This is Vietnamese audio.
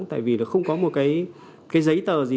tại vì là không có một cái giấy tờ gì